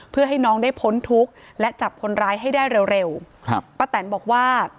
เพื่อให้น้องได้พ้นทุกข์และจับคนร้ายให้ได้เร็วเร็วครับป้าแตนบอกว่า